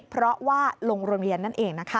เพราะว่าลงโรงเรียนนั่นเองนะคะ